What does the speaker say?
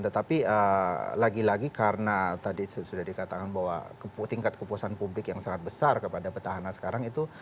tetapi lagi lagi karena tadi sudah dikatakan bahwa tingkat kepuasan publik yang sangat besar kepada petahana sekarang itu